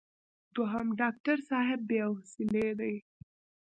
دوهم: ډاکټر صاحب بې حوصلې دی.